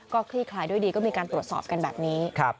ก็คลี่คลายด้วยดีก็มีการตรวจสอบกันแบบนี้